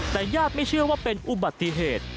แต่ญาติไม่เชื่อว่าเป็นอุบัติเหตุ